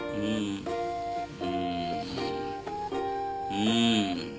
うん。